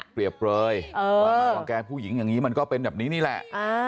เปรียบเปลยว่าแกผู้หญิงอย่างนี้มันก็เป็นแบบนี้นี่แหละ